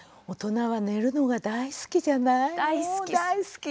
大人は寝るのが大好きじゃない？